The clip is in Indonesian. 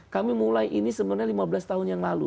kami mulai ini sebenarnya lima belas tahun yang lalu